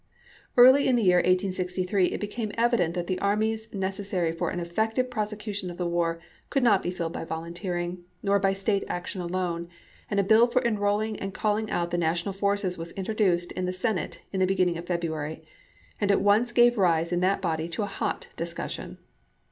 Early in the year 1863 it became evident that the armies necessary for an effective prosecution of the 4 ABKAHAM LINCOLN chap. i. war could not be filled by volunteering, nor by State action alone, and a bill for enrolling and call 1863. ing out the national forces was introduced in the Senate in the beginning of February, and at once gave rise in that body to a hot discussion.